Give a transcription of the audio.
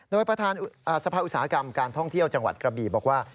โดยประธานสภาอุตสาหกรรมการท่องเที่ยวจังหวัดกระบีบอกว่า